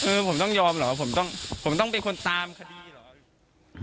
เออผมต้องยอมเหรอผมต้องเป็นคนตามคดีเหรอ